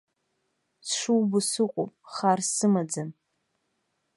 Сшубо сыҟоуп, хар сымаӡам.